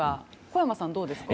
小山さん、どうですか？